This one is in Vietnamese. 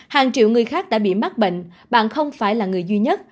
hàng triệu người khác đã bị mắc bệnh bạn không phải là người duy nhất